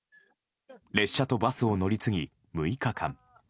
列車とバスを乗り継ぎ６日間。